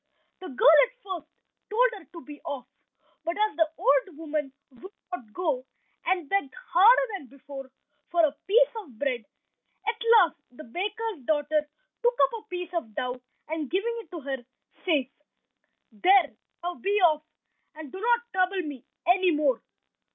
The girl at first told her to be off, but as the old woman would not go, and begged harder than before for a piece of bread, at last the baker's daughter took up a piece of dough, and giving it to her, says— "There now, be off, and do not trouble me any more."